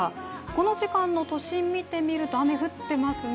この時間の都心見てみると雨、降ってますね。